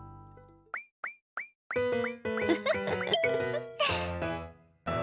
ウフフフフ！